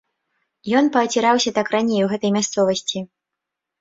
Ён пааціраўся так раней у гэтай мясцовасці.